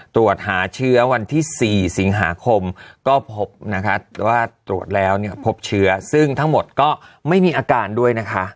ตรวจหาเชื้อวันที่๔สิงหาคมก็พบนะคะว่าตรวจแล้วเนี่ยพบเชื้อซึ่งทั้งหมดก็ไม่มีอาการด้วยนะคะ